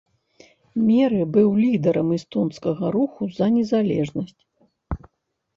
Меры быў лідарам эстонскага руху за незалежнасць.